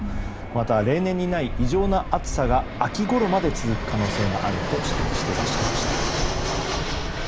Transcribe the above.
また、例年にない異常な暑さが秋ごろまで続く可能性があると指摘していらっしゃいました。